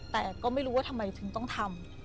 แต่ก็ไม่รู้ว่าทำไมถึงต้องทำ